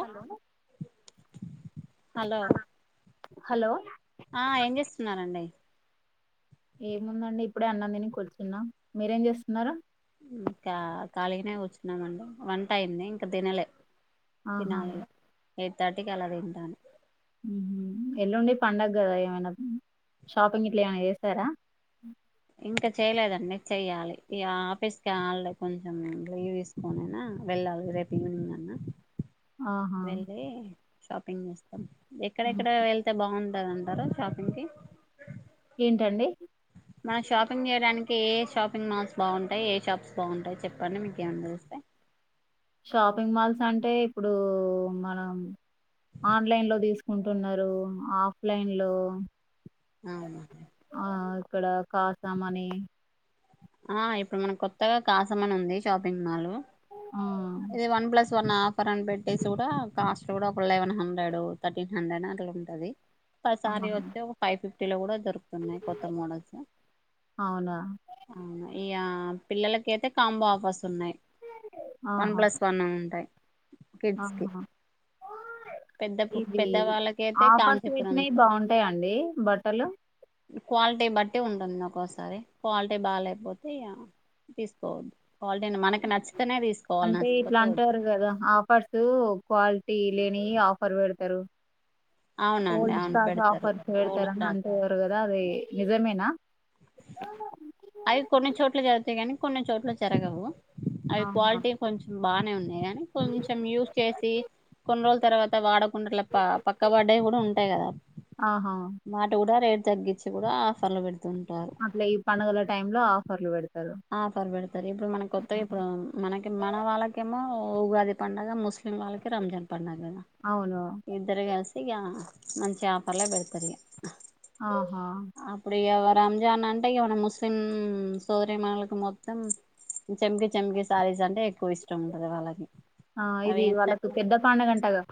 Hello hello hello ఆ ఏం చేస్తున్నారంండి ఏముందండి ఇప్పుడే అన్నందిని కూర్చున్నా మీరేం చేస్తున్నారూ ఖళీనే కూర్చున్నామండి వంట అయింది ఇంకా దినలే ఆహా ఎయిట్ థర్టీకి అలా తింటాను ఎల్లుండడివి పడుగ కదా ఏమైనా షాపింగ్ ఇట్లా ఏమనా చేసారా ఇంకా చెయలేదండి చెయ్యాలి ఈ ఆఫీస్కి కావాలే కొంచెం లీవ్ తీసుకోనేనా వెళ్ళాలు రేపు ఈవినింగ్ అన్నా ఆహా వెళ్ళి షాపింగ్ చేస్తాం మ్మ్. ఎక్కడెక్కడ వెళ్తే బాగుంట దంటారా షాపింగ్ కి ఏంటండి మనం షాపింగ్ చేయడానికి ఏ షాపింగ్ మాల్స్ బాగుంటాయి ఏ షప్స్ బాగుంటాయి చెప్పండి మీకు ఏ అని తెరిస్తా షాపింగ్ మాల్స్ అంటే ఇప్పుడు మనం ఆన్లైన్ లో తీసుకుంటున్నారు ఆఫ్లైన్ లో అను ఆ ఇక్కడ కాఖసాం అని ఆ ఇప్పుడు మన కొత్తగా కాసమని ఉంది షాపింగ్ మాల్ ఆ ఇది వన్ ప్లస్ సన్న ఆఫర్ అని పెట్టేసి కూడా కాస్ట్ కూడ కాస్ ఆహా ఒసారి వస్తే ఒక ఫైవ్ ఫిఫ్టీ లో కూడా దొరుకుతున్నాయి కొత్త మోడల్స్ అవునా అవునా ఇయా పిల్లలకైయితే కాంబో ఆఫస్ ఉన్నాయ్ వన్ ఆహా ప్లస్ వన్ ఉంటాయ్ ఆహా పెద్దపు ఇవి పెద్ద వాళ్ళకైతే [inaudible] ఆఫర్స్ పెట్టినవి బాగుంటాయండి బట్టలు క్వాలిటీ బట్టి ఉంటుంది నాకోస్ సరే క్వాలిటీ బాలేపోతే తీసుకోవద్దు క్వాలిటీని మనకి నచ్చితేనే తీసుకోవాలి అంటే ఇట్లా నచ్చకపోతే వద్దు అంటారు కదా ఆఫర్స్ క్వాలిటీ లే నీ ఆఫర్ పెడతారు అవునండి ఓల్డ్ అవును స్టాక్ పెడతారు ఆఫర్స్ హోల్ పెడ్తారు అని స్టాక్ అంటురు కదా అది నిజమేనా అవి కొన్ని చోట్ల జరుగుతాయి కానీ కొన్ని చోట్ల జరగవు అవి ఆహా క్వాలిటీ కొంచెం బానే ఉన్నాయి కానీ కొంచెం యూస్ చేసి కొన్ని రోజుల తర్వాత వాడ కుండలప పక్కబడ్డాయి కూడా ఉంటాయి కదా ఆహా మాట కూడా రే తగ్గిచ్చి కూడా ఆఫర్లు పెడుతుం అట్లా ఈ పండుగల టైం లో ఆఫర్లు పెడతారు ఆఫర్ పెడతారు ఇప్పుడు మన కొత్తగా ఇప్పుడు మనకి మన వాళ్ళకేమో ఉగాది పండగా ముస్లిమ్ వాళ్లకి రంజాన్ పండగ గదా అవును ఇద్దరు కలిసి ఇక మంచిగా ఆఫర్లే పెడతారు ఇక ఆహా రంజాన్ అంటే ఇగ మన ముస్లిం సోదరీమనులకి మొత్తం చెంగి చెంగి శారీస్ అంటే ఎక్కువ ఇష్టం ఉంటది వాళ్ళకి ఆ అవి ఇది ఎంతట వాళ్ళకు పెద్ద పండగంటగా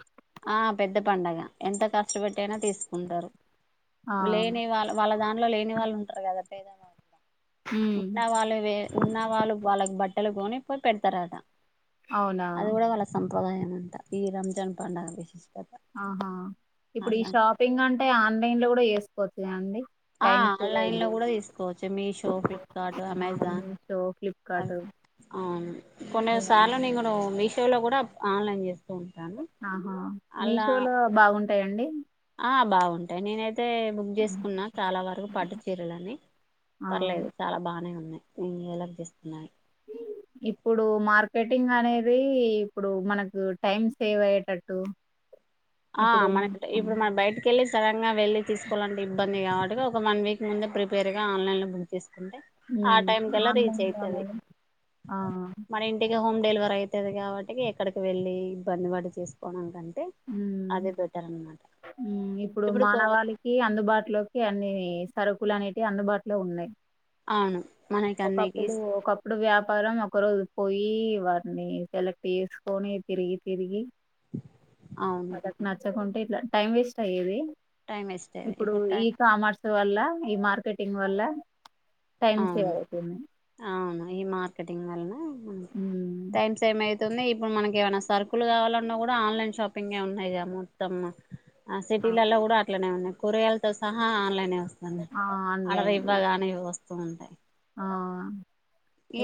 ఆ పెద్ద పండగ ఎంత కర్చుపెట్టి అయినా తీసుకుంటారు ఆ లేని వాళ్ళ వాళ్ళ దానిలో లేని వాళ్ళు ఉంటారు ఉమ్ ఉన్న వాళ్ళవే ఉన్న వాళ్ళు వాళ్ళకు బట్ తెలుగుని పోయి పెడతారట అవునా ప్రదాయం అంతా ఈ రంజాన్ పండుగ విశేష్ ఆహా ఇప్పుడు ఈ షాపింగ్ అంటే ఆన్లైన్ లో కూడా చేసుకోవచ్చుగ అండి ఆ టైమ్ సేవ్ ఆన్లైన్లో అవుద్ది కూడా తీసుకోవచ్చు Meesho, Flipkart, Amazon Meesho Flipkart అదే అవును కొన్ని ఇవన్నీ సార్లు నేంగ్ను మీషోలో కూడా ఆన్లైన్ చేస్ ఆహా మీషోలో బాగుంటాయండి ఆ బావుంటాయి నేనయి తే బుక్ చేసుకున్నా చాలా వరకు పట్టు చీరలని ఆ పర్లేదు చాలా బానే ఉన్నాయ్ ఉమ్ ఎలా చేస్తున్నాయ్? [inaudible] ఇప్పుడు మార్కెటింగ్ అనేది ఇప్పుడు మనకు టైం సేవ్ అయ్యేటట్టు ఆ మన ఇప్పుడు మన బయటికి వెళ్లేసి సడన్గా వెళ్ళి తీసుకోవాలంటే ఇబ్బంది కాబట్టి ఒక వన్ వీక్ ముందే ప్రిపేర్ గా ఆన్లైన్ లో బుక్ చేస్ అంటే ఆ ఉమ్ టైం కల్లా రీచ్ ఆన్లైన్లో అయితది అనేది ఆ మన ఇంటికి హోమ్ డెలివర అయితది కాబట్టి ఎక్కడికి వెళ్ళి ఇబ్బంది పడి చేసుకోవడా కనీ మ్ మ్ ఇప్పుడు మానవాళికి అందుబాటులోకి అన్ని సరుకులు అనేటియ్ అందుబాటులో ఉన్నాయి ఆవును ఒకప్పుడు ఒకప్పుడు వ్యాపారం ఒక రోజు పోయి ఈ వాటిని సెలెక్ట్ చేసుకొని తిరిగి తిరిగి అవును మదకు నచ్చకుంటే ఇట్లా టైం వేస్ట్ అయ్యేది టైం వేస్ట్ అయింది ఇప్పుడు ఈ టైం కామర్స్ వల్ల ఈ మార్కెటింగ్ వల్ల టైమ్ అవును సేవయి అవును ఈ మార్కెటింగ్ వల్న ఉమ్ టైమ్ సేమ్ అయి న్నాయ్ ఇప్పుడు మనక ఏమైనా సర్కులు కావాలన్నా కూడా ఆన్లైన్ షాపింగే ఉన్నాయి గా మొత్తం ఆ అవును. సిటీలలో కూడా అట్లనే ఉన్నాయి కూరగాయలతో సహా ఆ ఆ అడవి ఆన్లైన్ ఇవ్వగానే వస్తూ ఉంటాయి ఆ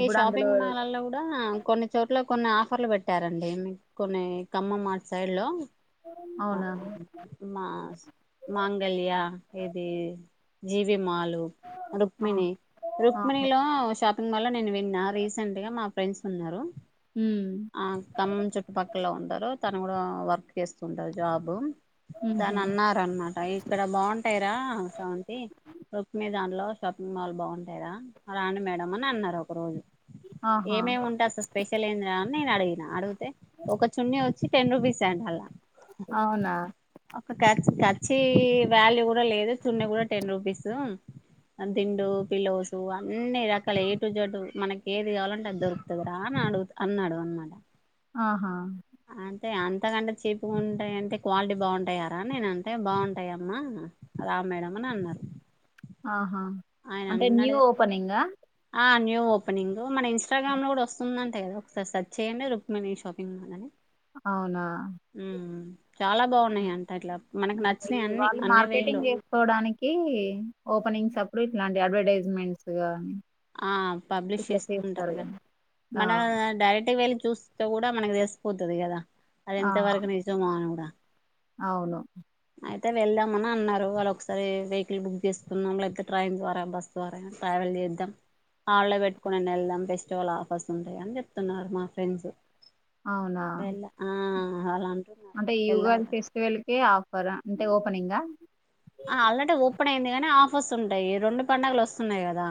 ఈ అందులో షాపింగ్ మాల్ల్లో కూడా కొన్ని చోట్ల కొన్ని ఆఫ ఆఫర్లు పెట్టారండి మీకు కొన్ని కమ్మమ్ మా సైడ్ లో ఆ అవునా మా మాంగళ్యా ఇది జీవి మాలు ఆ రుక్మిణి ఆహా రుక్మిణిలో షాప్ లో నేను విన్నా రీసెంట్ గా మా ఫ్రెండ్స్ ఉన్నారు ఉమ్ ఆ ఖమ్మం చుట్టుపక్కల ఉంటారు తను కూడా వర్క్ చేస్తుంటారు జాబు ఉహు దాని అన్న అనమాట ఇక్కడ బాగుంటాయిరా శాంతి రుక్ మదాన్ లో షాపింగ్ మాల్ బాగుంటాదా రాం మేడం అని అన్నారు ఒక రోజు ఆహా ఏమేమి ఉంటా స్పెషల్ ఏంటి అడిగిన అడిగితే ఒక చున్న వచ్చి టెన్ రూపీస్ ఏడి అలా అవునా ఖచ్చి వాల్యూ కూడా లేదు చున్న కూడా టెన్ రూపీస్ దిండు పిల్లౌస్ అన్ని రకాల ఏటు జటు మనకి ఏది కావాలంటే అది దొరుకుతుంది రా అన్నాడు అన్నాడు అన్నాడు ఆహా అఅంతకంటే చీప్గా ఉంటాయింటే క్వాలిటీ బాగుంటాయారా నేన అంటే బాగుంటాయమ్మా మేడంని అన్నారు ఆహా ఆయన అంటే న్యూ అన్నాడు ఓపెనింగ్ న్యూ ఓపెనింగ్ మన ఇన్స్టాగ్రామ్ లో కూడా వస్తుందంటే కదా ఒకసారి సెర్చ్ చేయండి రుక్మిణి షాపింగ్ మాల్ అని అవునా ఉమ్, చాలా బాగున్నాయి అంట ఇట్లా మనకు నచ్చినయి అన్ని వాళ్ళు అన్ని వేలు మార్కెటింగ్ చేసుకోడానికి ఓ అప్పుడు ఇట్లాంటి అడ్వర్టైజ్మెంట్స్ గానీ ఆ పబ్లిష్ చేస్తూ ఉంటారు కదా ఆ మనం డైరెక్ట్ వెళి చూస్త కూడా మనకి తెసిపోతుది కదా అది ఆ ఎంత వరకు నిజమో అని కూడా అవును అయితే వెళ్దామని అన్నారు వాళ్ళు ఒకసారి వెహికల్ బుక్ చేసుస్తున్నాం లేకపోతే ట్రైన్ ద్వారా బస్ ద్వారా ట్రావెల్ ద్ హళ్ల్లో పెట్టుకుని వెళ్దాం ఫెస్టివల్ ఆఫర్స్ ఉంటాయ అని చెప్తున్నారు మా ఫ్రెండ్స్ అవునా వెళ్ళ ఆ అలా అంటున్నారు అంటే ఈ ఉగాది వెళ్ళాలి ఫెస్టివల్ కి ఆఫర్ అంటే ఓపెనింగ్ ఆల్రెడీ ఓపెన్ అయింది కానీ ఆఫర్స్ ఉంటాయి రెండు పండుగలు వస్తున్నాయి కదా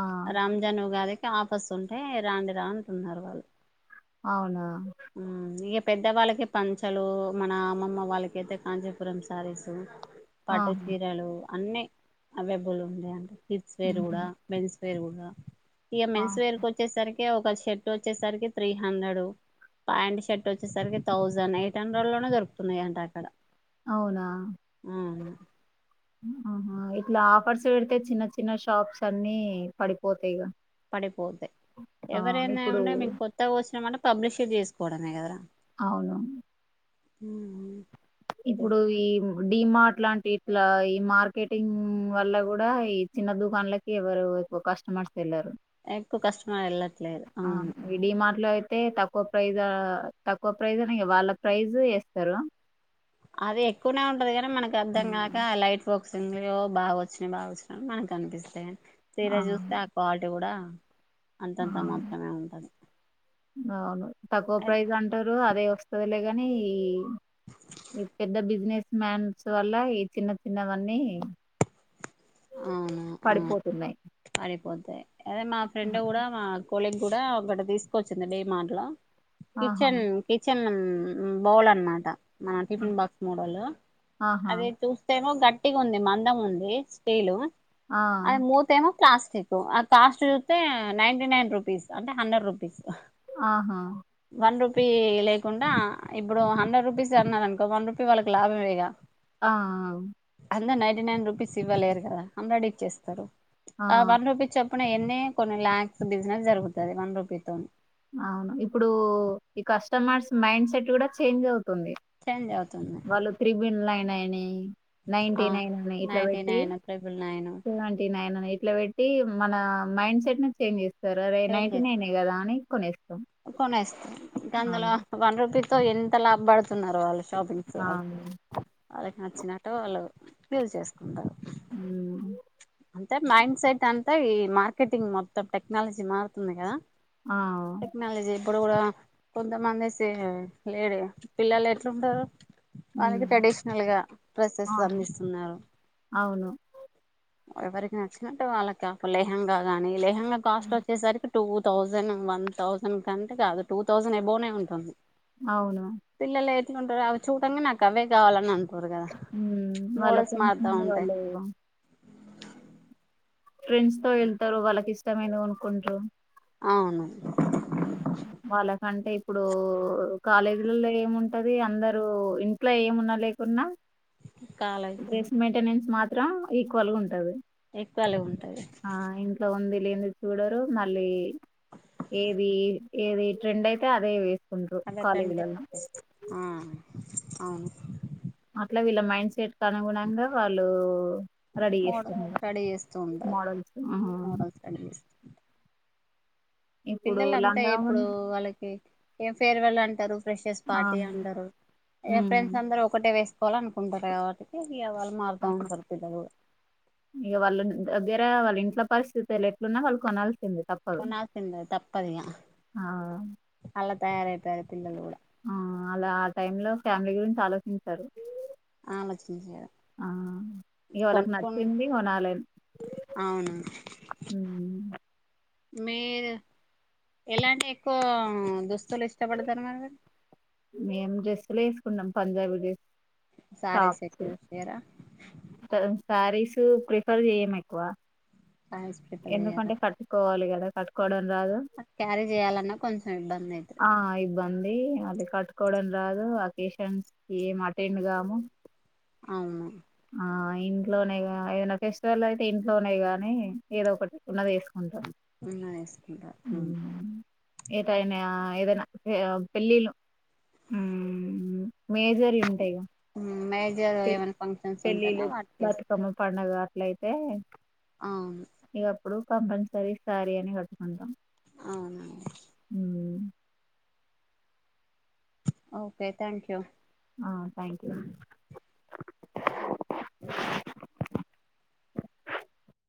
ఆ రంజన్ ఉగాది ఆపస్ ఉంటే రాం రా అంటున్నారు వాళ్ళు అవునా ఇక పెద్ద వాళ్ళకి పంచలు మన అమ్మమ్మ వాళ్ళకి అయితే కాంచీపురం సారీసు పట ఆహా చీరలు అన్నీ అవైలబుల్ ఉన్నాయి అంటే కిడ్స్ వేర్ ఉహు కూడా వేర్ ఇక ఆ మెన్స్ వేర్ కు వచ్చేసరికి ఒక షర్ట్ వచ్చేసరికి త్రీ హండ్రెడ్ పా్యాంట్ షర్ట్ వచ్చేసరికి థౌజండ్ ఎయిట్ హండ్రెడ్ లోనే దొరుకుతున్నాయి అంట అక్కడ అవునాహ ఆ ఇలా ఆఫర్స్ పెడితే చిన్న చిన్న షాప్స్ అన్ని పడిపోతాయి ఇక పడిపోతాయి ఎవరైనా ఇప్పుడు ఉంటే మము కొత్తగా వచ్చినమంట పబ్లిష చేసుకోవడమే కదరా అవును హ ఇప్పుడు ఈ డడిమాార్ట్ లాంటి ఇట్లా ఈ మార్కెటింగ్ వల్ల కూడా ఈ చిన్న దుకాణలకి ఎవరు కస్టమర్స్ వెళ్ళారు ఎక్కువ కస్టమర్ వెళ్ళట్లేదు అవును డి మార్ట్ అయితే తక్కువ ప్రైజ్ తక్కువ అ వాళ్ళ ప్రైజ్ వస్తారు అది ఎక్కువనే ఉంటది కానీ మనకు అర్ధం కాక లైట్ పో బాగా వచ్చినాయి బాగా వచ్చినా మనకు అనిపిస్తాయి చీర చూస్తే ఆ క్వాలిటీ కూడా ఆ అంతంతా మాత్రమే ఉంటుంది అవును తక్కువ ప్రైజ్ అంటారు అదే వస్తుందిలే కాని ఈ పెద్ద బిజినెస్ మ్యాన్స్ వల్ల ఈ చిన్న చిిన్నవన్నీ అవును ఆ పడిపోతున్నాయి పడిపోతాయి అదే మా ఫ్రెండ్ కూడా మా పోలింగ్ కూడా ఒక తీసుకొచ్చింది డిమాట్ లో ఆహా కిచెన్ కిచెన్ బౌల్ అనమాట మన టిఫిన్ బాక్స్ మోడల్ ఆహా అది చూస్తేమో గట్టి పట్టిగా ఉంది మందం ఉంది స్టీలు ఆ అది మూతే ఏమో ప్లాస్టిక్ ఆ ప్లాస్ట్ చూస్తే నైంటీ నైన్ రూపీస్ అంటే హండ్రెడ్ రూపీస్ ఆహా వన్ రూపీ లేకుండా ఇప్పుడు హండ్రెడ్ రూపీస్ అన్నారు అనుకో వన్ రూపీ వాళ్ళకి లాభం ఇగా ఆ అందరు నైన్టీ నైన్ రూపీస్ ఇవ్వలేరు కదా అంద్రడీ ఇచ్చేస్తారు ఆ వన్ రూపీస్ చెప్ ఇప్పుడు ఎన్న కొన్ని ల్యాక్స్ దిసినది జరుగుతుంది వన్ రూపీ తోని అవును ఇప్పుడు ఈ కస్టమర్స్ మైండ్ సెట్ కూడా చేంజ్ అవుతు తుంది చేంజ్ అవుతుంది వాళ్ళు త్రిబిన్లు అయినాయని నైన్టీ ఆ నైన్ అని ఇట్లా నైన్టీ పెట్టి nine triple nine seventy nine అని ఇట్లా పెట్టి మన మైండ్ సెట్ ను చేంజ్ చేస్తారు అదే నైట్ చేంజ్ ననే కదా అని కొనేస్త కొనేస్తారు అందులో వన్ రూపీతో ఎంత లాభ పడుతు న్నారు వాళ్ళు షాపింగ్స్ ఆ వాళ్ళు వాళ్ళకి నచ్చినట్టు వాళ్ళు ఫల్ చేసుకుంటారు ఉమ్ అంటే మైండ్ సెట్ అంటే ఈ మార్కెటింగ్ మొత్తం టెక్నాలజీ మారుతుంది కదా టెక్నాలజీ ఇప్పుడు కూడా కొంతమందిసి లేడ పిల్లలు ఎట్లుంటారు వాళ్ళకి ఉమ్, ట్రెడిషనల్ గా డ్రెస్సెస్ ఆ అందిస్తున్నారు అవును ఎవరికి నచ్చినట్టు వాళ్ళకి లేహంగా గానీ లేహంగా కాస్ట్ వచ్చేసరికి టూ థౌసండ్ వన్ థౌసండ్ కంటే కాదు టూ థౌజండ్ ఎబోనే ఉంటుంది అవును ఉంటారు అవి చూడంగా నాకు అవే కావాలని అంత కూరు కదా ఉమ్ వాళ్ళ మూడోస్ ఫ్రెండ్స్ మార్తా ఉంటాయి వాళ్ళు ఫ్రెండ్స్ తో వెళ్తారు వాళ్ళకి ఇష్టమైనవి కొనుక్కుంటారు అవును ఆ వాళ్ళకంటే ఇప్పుడు కాలేజీలలో ఏముంటది అందరుూ ఇంట్లో ఏముండి లేకునా కాలైతే డ్రెస్ మెయింటెనెన్స్ మాత్రం ఈక్వల్ గా ఉంటంది ఈక్వల్ గా ఉంటది ఉంది లేంది చూడరు మళ్ళీ ఏది ఏది ట్రెండ్ అయితే అదే వ అలా తండ్రి ఆ అవును అట్లా వీళ్ళ మైండ్ సెట్ క అనుగుణంగా వాళ్ళు రెడీ చేస్తా మోడల్ స్టడీ చేస్తూ ఉంటారు మోడల్స్ ఆ మోడల్ స్టడీ చేస్తూ ఇప్పుడు పిల్లలు అంతా లంగా ఇప్పుడు ఓణి వాళ్ళకి ఏం ఫేర్వెల్ అంటారు ఫ్రెషర్స్ ఆ పార్టీ అంటారు ఉమ్ ఫ్రెండ్స్ అందరుూ ఒకటే వేస్త చేసుకోవాలి అని అనుకుంటారు కాబట్టి ఇ అ వాళ్ళు మారుతా ఉంటారు పిల్లలు ఇగ వాళ్ళ దగ్గర వాళ్ళ ఇంట్లో పరిస్థితు ఎట్లున్నా వాళ్ళ కొనాలి ఉన్నాసింద తప్పదిక ఆ అలా తయారైపోయారు పిల్లలు కూడా ఆ అలా ఆ టైమ్ లో ఫ్యామిలీ గురించి ఆలోచిస్తారు ఆలోచించారు ఆ ఇకవాళకి నచ్చింది కొనాలని అవునా మీరు ఎలాంటి ఎక్కువ దుస్తులు ఇష్టపడతారు మరి మేం డ్రెస్సులు వేసుకున్నాం పంజాబీ డ్రెస్సు సారే సకిది సరా శారీస్ ప్రిఫర్ చెయ్యను ఎక్కువ సారీస్ ప్రిఫర్ చేయరా ఎందుకంటే కట్టుకోవాలి కదా కట్టుకోవడం అందగా క్యారీ చేయాలన్నా కొంచెం ఇబ్బంది అయితది ఇబ్బంది అ కట్టుకోవడం రాదు అకేషన్స్ ఏం అటెండ్ కాము అవును ఆ ఇంట్లోనే ఏదైనా ఫెస్టివల్ అయితే ఇంట్లోనే గాని ఏదో ఒకటి ఉన్నది వేసుకుంటాం ఉన్న వేసుకుంటా ఉ ఈ టైం అయినా ఏదైన్నా పెళ్ళల మేజర్ ఉంటాయిగా మేజర్ పె ఏమైనా ఫంక్షన్స్ పెళ్ళిళ్ళ ఉంటేనే వాటికి బతుకమ్మ పండగ అట్లయితే ఆ ఇప్పుడు కంపల్సరీ శారీ అని కట్టుకుంటాం అవునండి okay thank you thank you [inaudible]